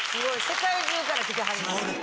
世界中から来てはります。